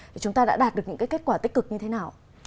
thì chúng ta đã đạt được những cái kết quả tích cực như thế nào